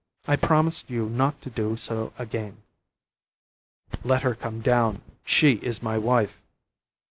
I promise you not to do so again." "Let her come down, she is my wife."